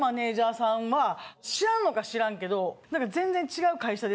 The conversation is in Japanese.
知らんのかしらんけど。